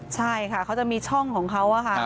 ใช่ค่ะเขาจะมีช่องของเขาค่ะ